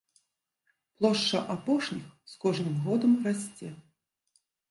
Плошча апошніх з кожным годам расце.